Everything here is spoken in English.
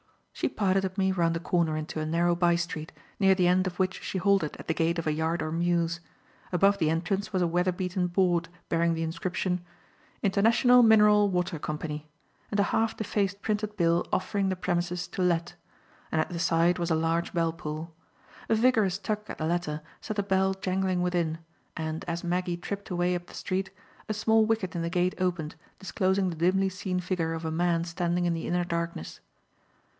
She piloted me round a corner into a narrow bystreet, near the end of which she halted at the gate of a yard or mews. Above the entrance was a weather beaten board bearing the inscription, "International Mineral Water Company" and a half defaced printed bill offering the premises to let; and at the side was a large bell pull. A vigorous tug at the latter set a bell jangling within, and, as Maggie tripped away up the street, a small wicket in the gate opened, disclosing the dimly seen figure of a man standing in the inner darkness.